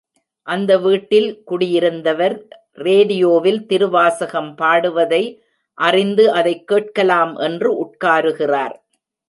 அந்த வீட்டில் குடியிருந்தவர் ரேடியோவில் திருவாசகம் பாடுவதை அறிந்து அதைக் கேட்கலாம் என்று உட்காருகிறார்.